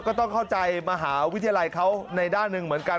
ก็ต้องเข้าใจมหาวิทยาลัยเขาในด้านหนึ่งเหมือนกัน